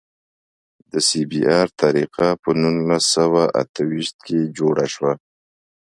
د سی بي ار طریقه په نولس سوه اته ویشت کې جوړه شوه